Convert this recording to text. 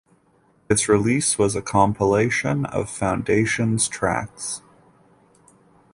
This release was a compilation of Foundations tracks.